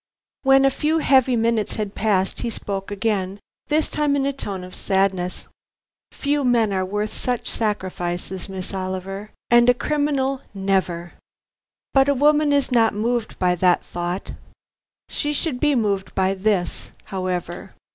When a few heavy minutes had passed, he spoke again, this time in a tone of sadness. "Few men are worth such sacrifices, Miss Oliver, and a criminal never. But a woman is not moved by that thought. She should be moved by this, however.